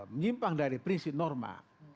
menyimpang dari prinsip norma